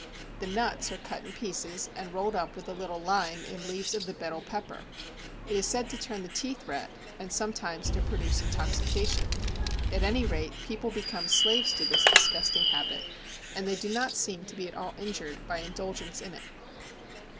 The nuts are cut in pieces and rolled up with a little lime in leaves of the Betel pepper. It is said to turn the teeth red and sometimes to produce intoxication; at any rate, people become slaves to this disgusting habit, and they do not seem to be at all injured by indulgence in it.